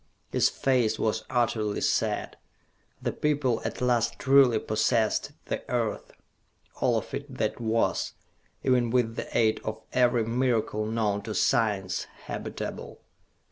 His face was utterly sad. The people at last truly possessed the Earth all of it that was, even with the aid of every miracle known to science, habitable.